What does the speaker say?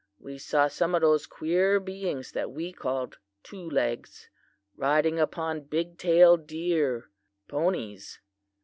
We saw some of those queer beings that we called "two legs," riding upon big tail deer (ponies).